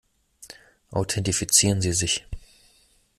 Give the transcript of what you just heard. Authentifizieren Sie sich!